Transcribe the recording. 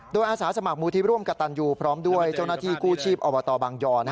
โดยอาสาสมัครมูลที่ร่วมกระตันยูพร้อมด้วยเจ้าหน้าที่กู้ชีพอบตบางยอ